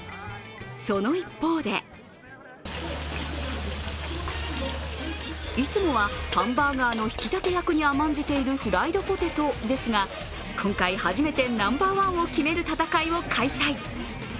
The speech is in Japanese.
その一方でいつもはハンバーガーの引き立て役に甘んじているフライドポテトですが今回初めて、ナンバーワンを決める戦いを開催。